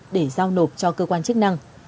để giao nộp cho cơ quan chức năng